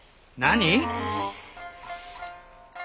何！？